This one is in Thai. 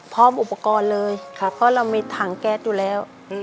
พร้อมอุปกรณ์เลยค่ะเพราะเรามีถังแก๊สอยู่แล้ว